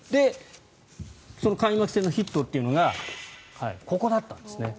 その開幕戦のヒットというのがここだったんですね。